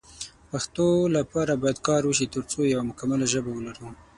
پښتو لپاره باید کار وشی ترڅو یو مکمله ژبه ولرو